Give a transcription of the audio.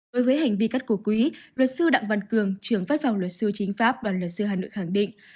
đối với hành vi cắt cổ quỹ luật sư đặng văn cường trưởng phát phòng luật sư chính pháp đoàn luật sư hà nội khẳng định